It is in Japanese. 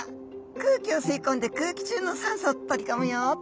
空気を吸い込んで空気中の酸素を取り込むよと。